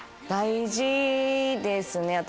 大事ですね。